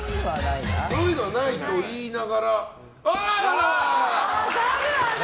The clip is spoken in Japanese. そういうのはないと言いながら。